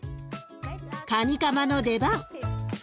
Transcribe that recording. カニカマの出番。